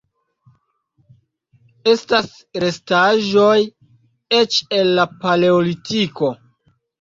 Estas restaĵoj eĉ el la Paleolitiko.